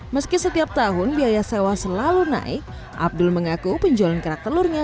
meski setiap tahun biaya sewa selalu naik abdul mengaku penjualan kerak telurnya